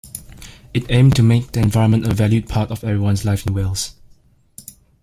It aimed to 'make the environment a valued part of everyone's life in Wales'.